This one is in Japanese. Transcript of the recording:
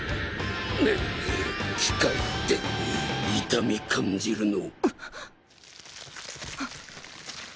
ねぇ機械って痛み感じるの？